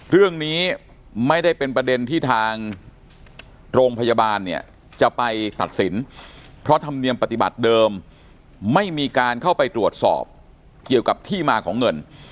เรื่องนี้ไม่ได้เป็นประเด็นที่ทางโรงพยาบาลเนี่ยจะไปตัดสินเพราะธรรมเนียมปฏิบัติเดิมไม่มีการเข้าไปตรวจสอบเกี่ยวกับที่มาของเงิน